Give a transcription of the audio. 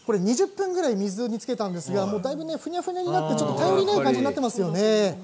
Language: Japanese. ２０分ぐらい水につけたんですがだいぶふにゃふにゃに頼りない感じになっていますね。